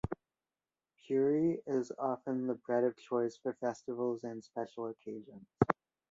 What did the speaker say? Puri is often the bread of choice for festivals and special occasions.